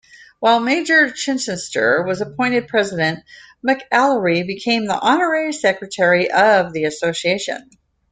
While Major Chichester was appointed president, McAlery became the honorary secretary of the association.